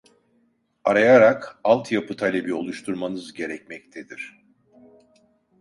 Arayarak alt yapı talebi oluşturmanız gerekmektedir.